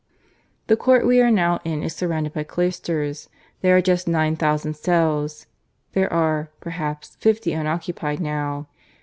"The court we are now in is surrounded by cloisters. There are just nine thousand cells; there are, perhaps, fifty unoccupied now.